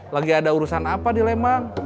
lagi ada urusan apa di lembang